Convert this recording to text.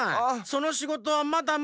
そのしごとはまだまだ。